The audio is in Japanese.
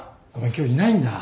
今日いないんだ。